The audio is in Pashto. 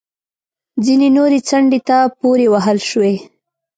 ځینې نورې څنډې ته پورې وهل شوې